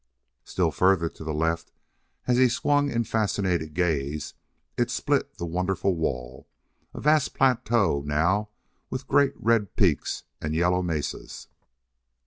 Still farther to the left, as he swung in fascinated gaze, it split the wonderful wall a vast plateau now with great red peaks and yellow mesas.